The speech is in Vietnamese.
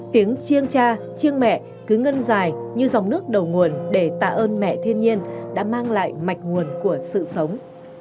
tiếng chiêng cha chiêng mẹ cứ ngân dài như dòng nước đầu nguồn để tạ ơn mẹ thiên nhiên đã mang lại mạch nguồn của sự sống